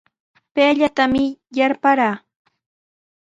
Payllatami yarparaa.